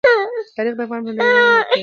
تاریخ د افغانانو ژوند اغېزمن کوي.